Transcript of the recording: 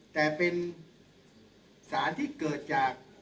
แต่เป็นสารที่เกิดจาก